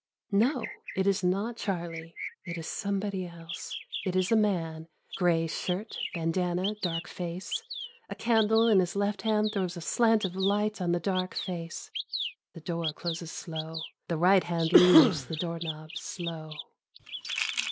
No ... it is not Charlie ... it is somebody else. It is a man, gray shirt, bandana, dark face. A candle in his left hand throws a slant of light on the dark face. The door closes slow. The right hand leaves the door knob slow.